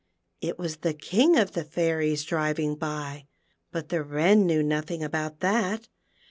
It was the King of the Fairies driving by, but the Wren knew nothing about that.